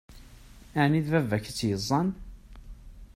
Ɛni d baba-k i tt-yeẓẓan?